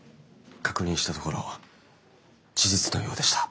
確認したところ事実のようでした。